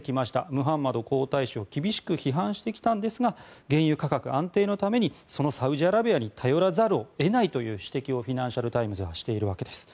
ムハンマド皇太子を厳しく批判してきたんですが原油価格安定のためにそのサウジアラビアに頼らざるを得ないという指摘をフィナンシャル・タイムズはしているわけです。